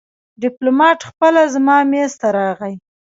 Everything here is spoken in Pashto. ډيپلومات خپله زما مېز ته راغی.